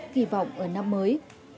kỳ vọng ở năm mới